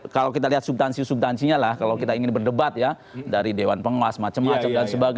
kalau kita lihat subtansi subtansinya lah kalau kita ingin berdebat ya dari dewan pengawas macam macam dan sebagainya